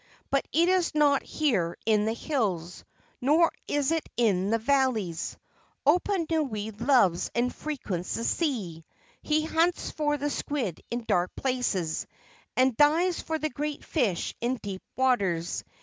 But it is not here in the hills, nor is it in the valleys. Oponui loves and frequents the sea. He hunts for the squid in dark places, and dives for the great fish in deep waters.